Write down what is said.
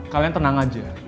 kalian tenang aja